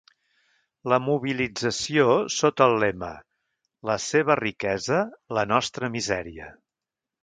La mobilització, sota el lema La seva riquesa, la nostra misèria.